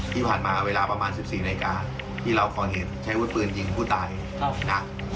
ที่ผ่านมาเวลาประมาณสิบสี่นายกาที่เราคอยเห็นใช้ปืนยิงผู้ตายรับ